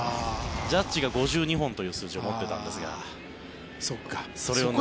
ジャッジが５２本という数字を持っていたんですがそれを塗り替えて。